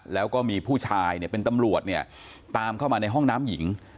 แล้วก็มีผู้ชายเป็นตำรวจตามเข้ามาในห้องน้ำหญิง